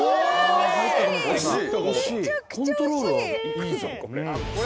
・惜しい！